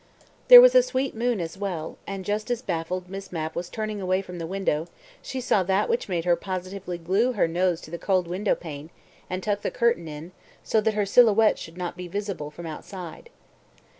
... There was a sweet moon as well, and just as baffled Miss Mapp was turning away from the window, she saw that which made her positively glue her nose to the cold window pane, and tuck the curtain in, so that her silhouette should not be visible from outside.